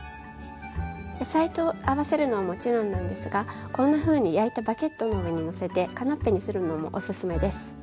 野菜と合わせるのはもちろんなんですがこんなふうに焼いたバゲットの上にのせてカナッペにするのもおすすめです。